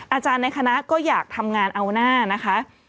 อาจารย์ในคณะก็อยากทำงานเอาหน้านะคะ